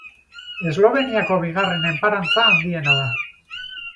Esloveniako bigarren enparantza handiena da.